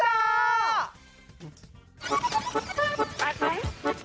ไป